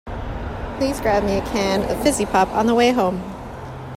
Please grab me a can of fizzy pop on the way home.